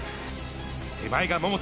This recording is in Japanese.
手前が桃田。